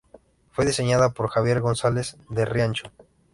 Fue diseñada por Javier González de Riancho.